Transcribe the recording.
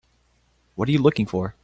What are you looking for?